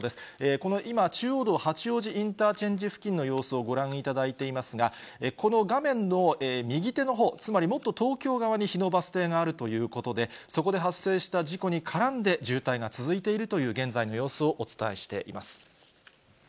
この今、中央道八王子インターチェンジ付近の様子をご覧いただいていますが、この画面の右手のほう、つまりもっと東京側に日野バス停があるということで、そこで発生した事故に絡んで、渋滞が続いているという現在の様子をお伝えしています。